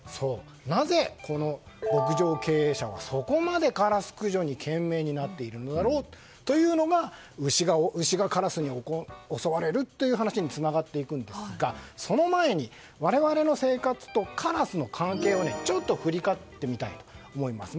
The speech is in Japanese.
なぜ、この牧場経営者はそこまでカラス駆除に懸命になっているのだろうというのが牛がカラスに襲われるという話につながっていくんですがその前に我々の生活とカラスの関係をちょっと振り返ってみたいと思います。